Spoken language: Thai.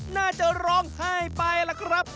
น่าจะร้องไห้ไปล่ะครับ